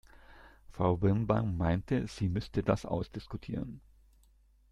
Frau Birnbaum meinte, sie müsste das ausdiskutieren.